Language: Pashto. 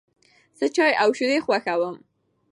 زه چای او شیدې خوښوم.